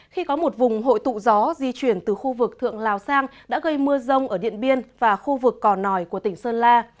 khi có một vùng hội tụ gió di chuyển từ khu vực thượng lào sang đã gây mưa rông ở điện biên và khu vực cò nòi của tỉnh sơn la